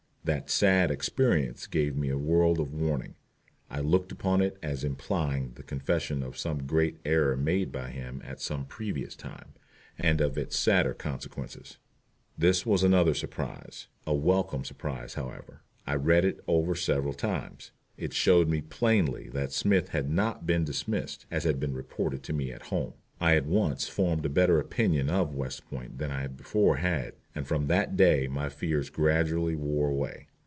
That "sad experience" gave me a world of warning. I looked upon it as implying the confession of some great error made by him at some previous time, and of its sadder consequences. This was another surprise a welcome surprise, however. I read it over several times. It showed me plainly that Smith had not been dismissed, as had been reported to me at home. I at once formed a better opinion of West Point than I before had, and from that day my fears gradually wore away.